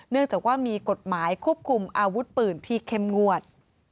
เนื่องจากว่ามีกฎหมายควบคุมอาวุธปืนที่เข้มงวด